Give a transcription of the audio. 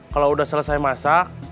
kalau udah selesai masak